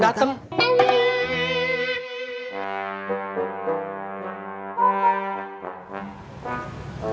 dokter kelaranya kapan datang